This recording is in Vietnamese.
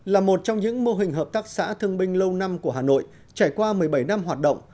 là một trong những mô hình hợp tác xã thương binh lâu năm của hà nội trải qua một mươi bảy năm hoạt động